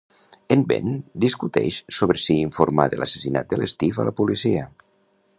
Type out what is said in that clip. En Ben discuteix sobre si informar de l'assassinat del Steve a la policia.